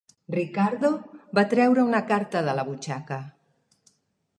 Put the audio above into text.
Ricardo va treure una carta de la butxaca.